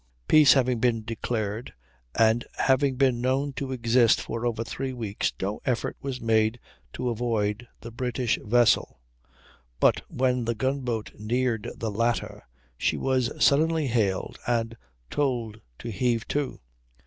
Peace having been declared, and having been known to exist for over three weeks, no effort was made to avoid the British vessel; but when the gunboat neared the latter she was suddenly hailed and told to heave to.